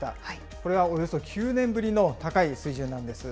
これはおよそ９年ぶりの高い水準なんです。